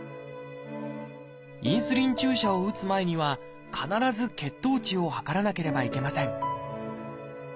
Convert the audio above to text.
インスリン注射を打つ前には必ず血糖値を測らなければいけません